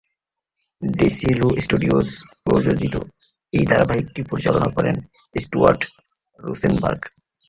Desilu studios প্রযোজিত এই ধারাবাহিকটি পরিচালনা করেন স্টুয়ার্ট রোসেনবার্গ।